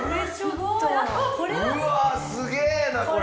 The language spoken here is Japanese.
うわあすげえなこれ！